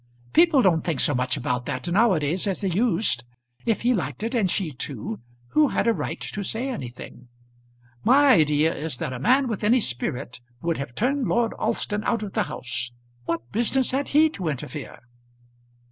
"People don't think so much about that now a days as they used. If he liked it, and she too, who had a right to say anything? My idea is that a man with any spirit would have turned Lord Alston out of the house. What business had he to interfere?"